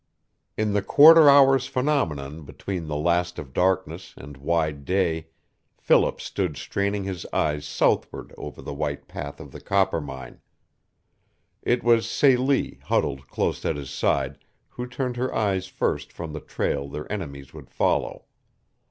In the quarter hour's phenomenon between the last of darkness and wide day Philip stood straining his eyes southward over the white path of the Coppermine. It was Celie, huddled close at his side, who turned her eyes first from the trail their enemies would follow.